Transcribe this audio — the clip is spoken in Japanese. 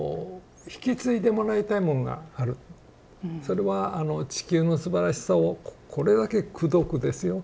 それはあの地球のすばらしさをこれだけくどくですよ